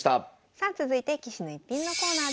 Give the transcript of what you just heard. さあ続いて「棋士の逸品」のコーナーです。